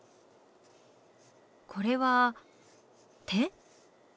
これは手？